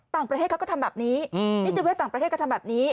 ต่างประเทศเขาก็ทำแบบนี้นิติเวศต่างประเทศก็ทำแบบนี้